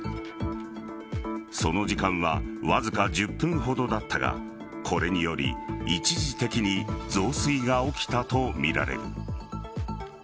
その時間はわずか１０分ほどだったがこれにより、一時的に増水が起きたとみられる。